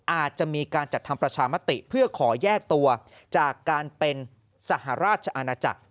อาจจะมีการจัดทำประชามติเพื่อขอแยกตัวจากการเป็นสหราชอาณาจักร